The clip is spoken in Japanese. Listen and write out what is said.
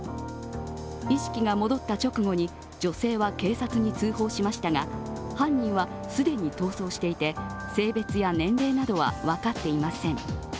意識が戻った直後に女性は警察に通報しましたが既に逃走していて性別や年齢などは分かっていません。